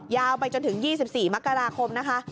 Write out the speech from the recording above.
ยาวไปจนถึง๒๔มกราคมนะคะ